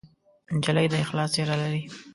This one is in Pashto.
نجلۍ د اخلاص څېره لري.